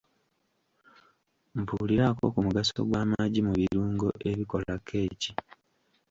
Mbuulirako ku mugaso gw'amagi mu birungo ebikola kkeki.